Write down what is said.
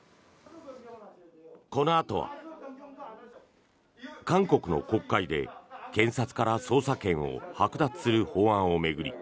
このあとは韓国の国会で検察から捜査権をはく奪する法案を巡り